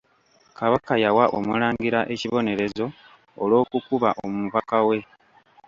Kabaka yawa Omulangira ekibonerezo olw'okukuba omubaka we.